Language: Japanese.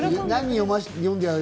何？